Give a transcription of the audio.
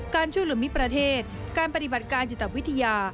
การช่วยเหลือมิตรประเทศการปฏิบัติการจิตวิทยา